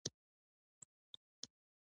د مازدیګر څلور بجې انګړ ته ننوتو.